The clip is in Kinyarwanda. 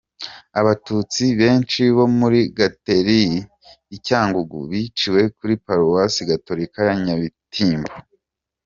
Abatutsi benshi bo muri gatereri i Cyangugu biciwe kuri paruwasi gatolika ya Nyabitimbo.